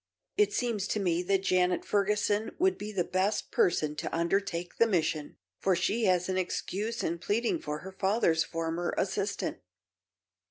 It seems to me that Janet Ferguson would be the best person to undertake the mission, for she has an excuse in pleading for her father's former assistant."